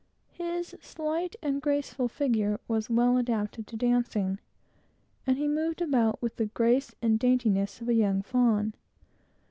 His slight and graceful figure was well calculated for dancing, and he moved about with the grace and daintiness of a young fawn.